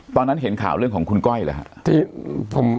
ตอนนั้นเห็นข่าวเรื่องของคุณก้อยหรือครับ